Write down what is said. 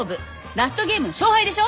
ラストゲームの勝敗でしょ。